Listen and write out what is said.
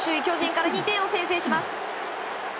巨人から２点を先制します。